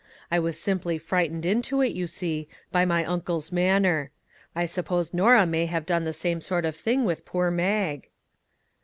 I was sim ply frightened into it, you see, by my uncle's manner. I suppose Norah may have done the same sort of thing with poor Mag."